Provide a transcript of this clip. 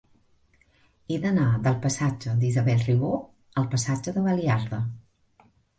He d'anar del passatge d'Isabel Ribó al passatge de Baliarda.